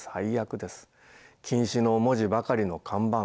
「禁止」の文字ばかりの看板